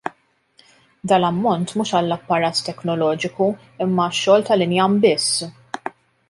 Dan l-ammont mhux għall-apparat teknoloġiku imma għax-xogħol tal-injam biss!